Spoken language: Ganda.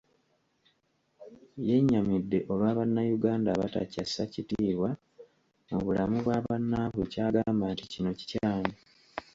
Yennyamidde olwa bannayuganda abatakyasa kitiibwa mu bulamu bwa bannaabwe kyagamba nti kino kikyamu.